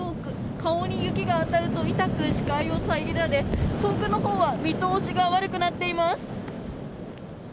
顔に雪が当たると痛く視界が遮られ遠くの方は見通しが悪くなっています。